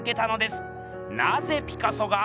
なぜピカソが。